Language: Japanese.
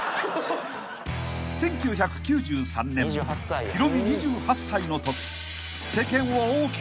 ［１９９３年ヒロミ２８歳のとき］